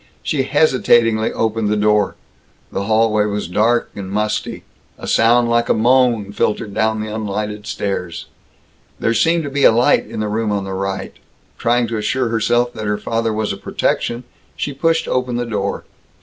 She hesitatingly opened the door. The hallway was dark and musty. A sound like a moan filtered down the unlighted stairs. There seemed to be light in the room on the right. Trying to assure herself that her father was a protection, she pushed open the door.